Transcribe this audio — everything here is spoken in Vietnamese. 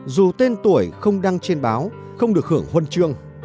dù tên tuổi không đăng trên báo không được hưởng huân chương